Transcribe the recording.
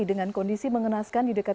dengan kondisi mengenaskan di dekat